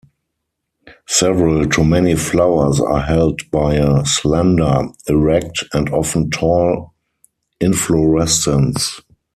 Several to many flowers are held by a slender, erect, and often tall inflorescence.